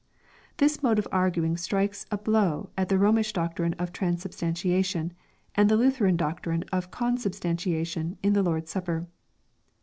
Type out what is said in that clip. This mode of arguing strikes a blow at the Romish doctrine of transubstantiation, and the Lutheran doctrine of consubstantiation in the Lord's supper.